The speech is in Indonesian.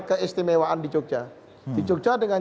keistimewaan di jogja di jogja dengan